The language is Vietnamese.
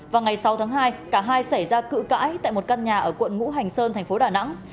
vào ngày sáu tháng hai cả hai xảy ra cự cãi tại một căn nhà ở quận ngũ hành sơn thành phố đà nẵng